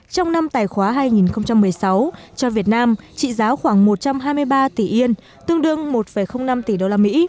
trong năm tài khóa hai nghìn một mươi sáu cho việt nam trị giá khoảng một trăm hai mươi ba tỷ yên tương đương một năm tỷ usd